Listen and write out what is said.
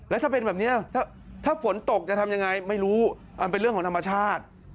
แล้วถ้าเป็นแบบนี้ถ้าฝนตกจะทำยังไงไม่รู้มันเป็นเรื่องของธรรมชาติ